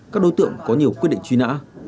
các đối tượng có nhiều quyết định truy nã